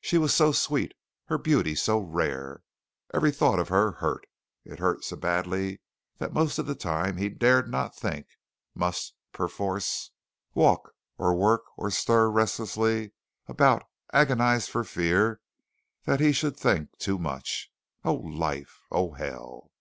She was so sweet. Her beauty so rare. Every thought of her hurt. It hurt so badly that most of the time he dared not think must, perforce, walk or work or stir restlessly about agonized for fear he should think too much. Oh, life; oh, hell!